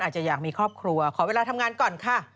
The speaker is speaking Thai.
อยากมีครอบครัวขอเวลาทำงานก่อนค่ะ